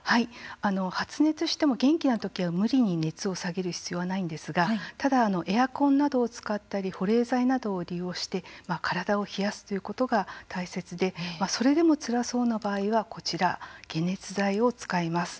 発熱しても、元気なときは無理に熱を下げる必要はないんですがただエアコンなどを使ったり、保冷剤などを利用して体を冷やすということが大切でそれでもつらそうな場合はこちら、解熱剤を使います。